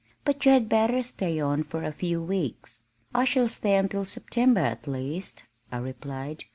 But you had better stay on for a few weeks." "I shall stay until September, at least," I replied.